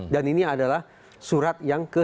dan ini adalah surat yang ke satu ratus satu